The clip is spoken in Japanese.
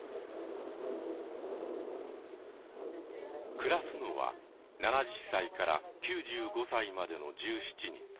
暮らすのは７０歳から９５歳までの１７人。